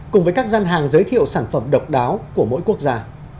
cùng với các gian hàng giới thiệu sản phẩm độc đáo của mỗi quốc gia